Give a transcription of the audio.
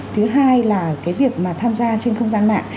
thứ hai là cái việc mà tham gia trên không gian mạng